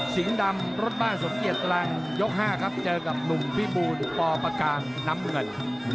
สิงห์ดำรถบ้านสวนเกียรติกลางยก๕ครับเจอกับหนุ่มพี่บูนปลอประการน้ำเงิน